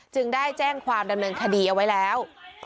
ได้แจ้งความดำเนินคดีเอาไว้แล้ว